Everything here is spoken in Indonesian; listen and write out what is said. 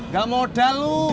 gak modal lu